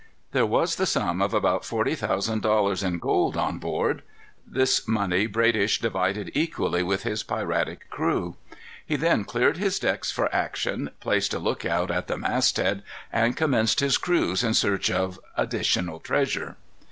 There was the sum of about forty thousand dollars in gold on board. This money Bradish divided equally with his piratic crew. He then cleared his decks for action, placed a lookout at the mast head, and commenced his cruise in search of additional treasure.